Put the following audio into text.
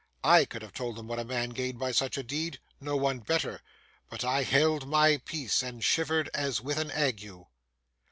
I could have told him what a man gained by such a deed, no one better: but I held my peace and shivered as with an ague.